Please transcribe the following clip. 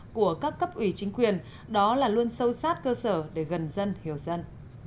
của các cấp ủy chính quyền đó là luôn sâu sát cơ sở để gần dân hiểu dân